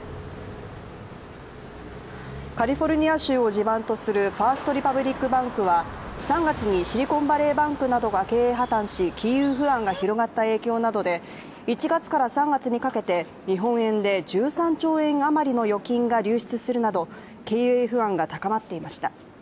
カリフォルニア州を地盤とするファースト・リパブリック・バンクは３月にシリコンバレーバンクなどが経営破綻し金融不安が広がった影響などで１月から３月にかけて、日本円で１３兆円余りの預金が流出するなど経営不安が高まっていました。